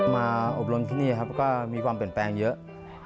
มาอบร้วงที่นี่ก็มีความเป็นแปลงเยอะ